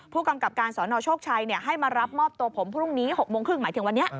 ผู้กำกับการสนโชคชัยให้มารับมอบตัวผมพรุ่งนี้๖โมงครึ่งหมายถึงวันนี้